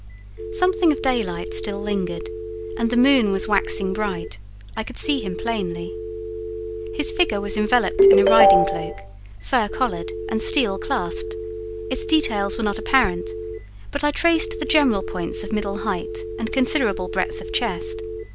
Something of daylight still lingered, and the moon was waxing bright: I could see him plainly. His figure was enveloped in a riding cloak, fur collared and steel clasped; its details were not apparent, but I traced the general points of middle height and considerable breadth of chest.